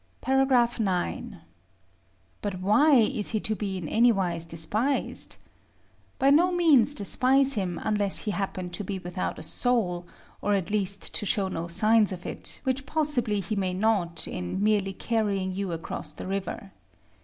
§ IX. But why is he to be in anywise despised? By no means despise him, unless he happen to be without a soul, or at least to show no signs of it; which possibly he may not in merely carrying you across the river.